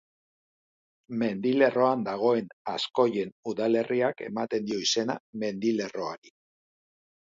Mendilerroan dagoen Azkoien udalerriak ematen dio izena mendilerroari.